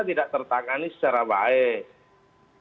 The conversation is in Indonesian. tidak tertangani secara baik